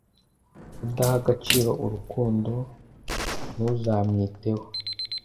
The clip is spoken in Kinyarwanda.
Udaha agaciro urukundo nuzamwiteho